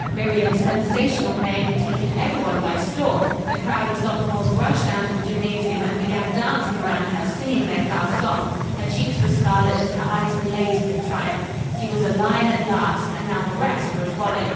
Miriam's sensational playing had taken every one by storm. A crowd of sophomores rushed down to the gymnasium and began dancing around her singing their class song. Her cheeks were scarlet and her eyes blazed with triumph. She was a lion at last, and now the rest would follow.